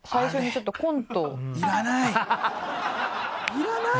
いらない！